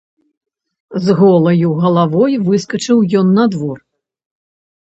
З голаю галавой выскачыў ён на двор.